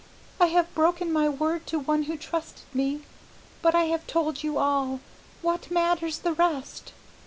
I have broken my word to one who trusted me, but I have told you all; what matters the rest?"